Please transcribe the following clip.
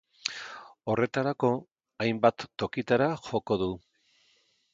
Horretarako, hainbat tokitara joko du.